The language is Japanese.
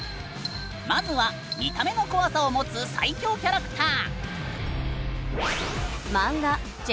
まずは「見た目」の恐さを持つ最恐キャラクター！